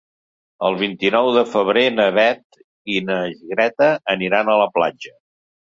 El vint-i-nou de febrer na Beth i na Greta aniran a la platja.